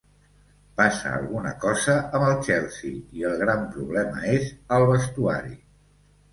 Passa alguna cosa amb el Chelsea i el gran problema és al vestuari.